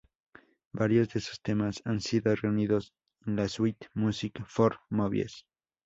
Varios de sus temas han sido reunidos en la suite, "Music for Movies".